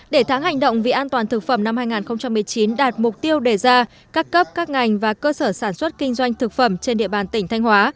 để tháng hành động vì an toàn thực phẩm năm hai nghìn một mươi chín đạt mục tiêu đề ra các cấp các ngành và cơ sở sản xuất kinh doanh thực phẩm trên địa bàn tỉnh thanh hóa